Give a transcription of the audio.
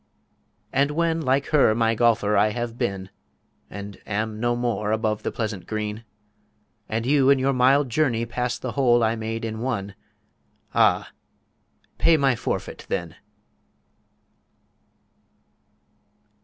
And when, like her, my Golfer, I have been And am no more above the pleasant Green, And you in your mild Journey pass the Hole I made in One ah! pay my Forfeit then!